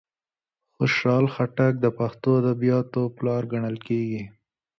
خوشال خټک د پښتو ادبیاتوپلار کڼل کیږي.